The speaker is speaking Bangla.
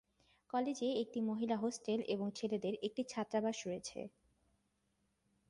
কলেজে একটি মহিলা হোস্টেল এবং ছেলেদের একটি ছাত্রাবাস রয়েছে।